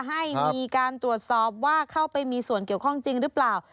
ให้มีการตรวจสอบว่าเข้าไปมีส่วนเกี่ยวข้องจริงหรือเปล่า